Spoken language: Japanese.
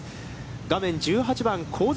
画面１８番、香妻